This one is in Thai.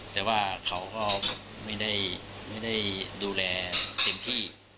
แต่ว่าเขาก็ไม่ได้ดูแลเต็มที่